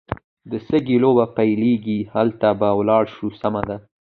د سکې لوبې پیلېږي، هلته به ولاړ شو، سمه ده.